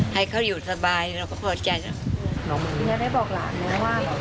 ให้เขาอยู่สบายเราก็ขอบใจนะ